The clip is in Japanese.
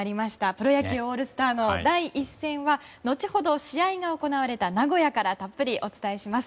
プロ野球オールスターの第１戦は後ほど試合が行われた名古屋からたっぷりお伝えします。